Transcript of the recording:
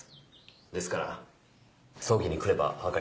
ですから葬儀に来れば分かります。